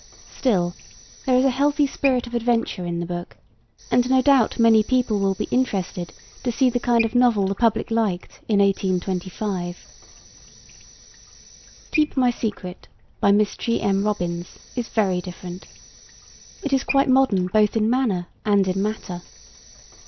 Still, there is a healthy spirit of adventure in the book, and no doubt many people will be interested to see the kind of novel the public liked in 1825. Keep My Secret, by Miss G. M. Robins, is very different. It is quite modern both in manner and in matter.